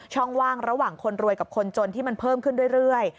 ว่างระหว่างคนรวยกับคนจนที่มันเพิ่มขึ้นเรื่อย